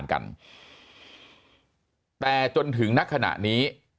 มีความรู้สึกว่า